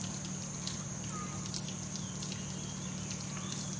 สุดท้ายสุดท้ายสุดท้าย